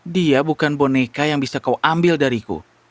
dia bukan boneka yang bisa kau ambil dariku